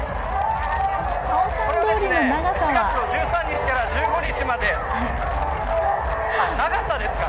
４月１３日から１５日まであっ、長さですか？